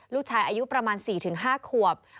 ลูกชายอายุประมาณ๔๕ขวบ